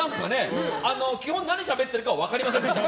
基本、何しゃべってるかは分かりませんでした。